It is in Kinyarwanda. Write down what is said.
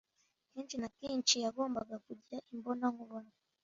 Kenshi na kenshi, yagombaga kujya imbona nkubone.